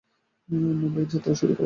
মুম্বাইয়ে যাত্রা শুরু করে।